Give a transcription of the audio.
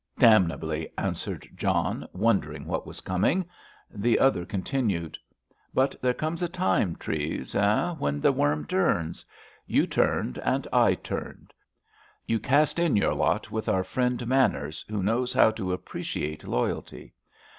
"Damnably!" answered John, wondering what was coming. The other continued: "But there comes a time, Treves, eh, when the worm turns? You turned and I turned! You cast in your lot with our friend Manners, who knows how to appreciate loyalty!